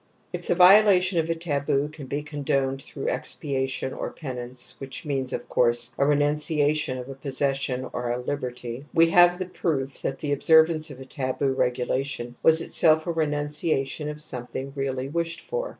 If the violation of a taboo can be condoned through expiation or penance, which means, of course, a renunciation of a possession or a liberty, we have the proof that the observance of a taboo regulation was itself a renunciation of something really wished for.